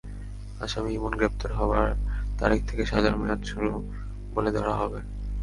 আসামি ইমন গ্রেপ্তার হওয়ার তারিখ থেকে সাজার মেয়াদ শুরু বলে ধরা হবে।